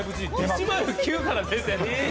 １０９から出てんの？